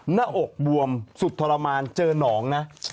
หน้าอกบวมสุดทรมานเจอหนองนะ